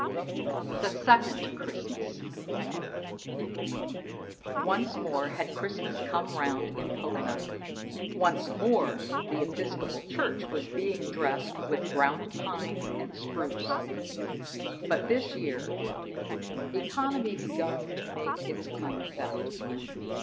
THE SECOND CHRISTMAS. Once more had Christmas come round in Poganuc; once more the Episcopal church was being dressed with ground pine and spruce; but this year economy had begun to make its claims felt.